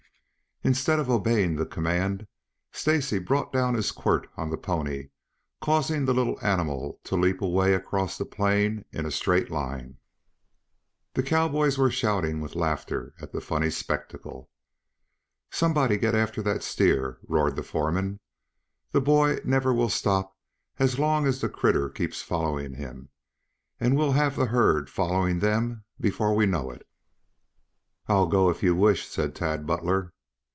Instead of obeying the command, Stacy brought down his quirt on the pony, causing the little animal to leap away across the plain in a straight line. The cowboys were shouting with laughter at the funny spectacle. "Somebody get after that steer!" roared the foreman. "The boy never will stop as long as the critter keeps following him, and we'll have the herd following them before we know it." "I'll go, if you wish," said Tad Butler.